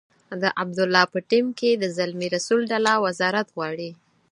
د عبدالله په ټیم کې د زلمي رسول ډله وزارت غواړي.